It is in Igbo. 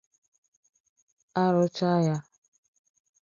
A rụchaa ya